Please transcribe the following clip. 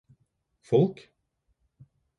folk